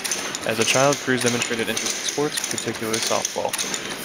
As a child Cruz demonstrated interest in sports, particularly softball.